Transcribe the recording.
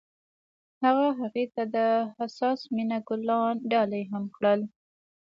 هغه هغې ته د حساس مینه ګلان ډالۍ هم کړل.